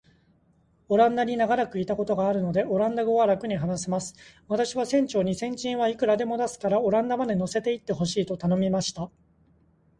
オランダに長らくいたことがあるので、オランダ語はらくに話せます。私は船長に、船賃はいくらでも出すから、オランダまで乗せて行ってほしいと頼みました。